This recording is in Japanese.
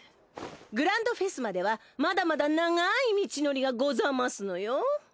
グランドフェスまではまだまだ長い道のりがござますのよ。